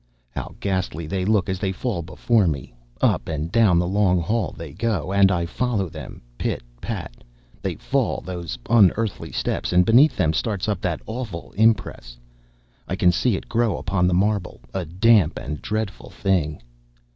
How ghastly they look as they fall before me! Up and down the long hall they go, and I follow them. Pit, pat they fall, those unearthly steps, and beneath them starts up that awful impress. I can see it grow upon the marble, a damp and dreadful thing.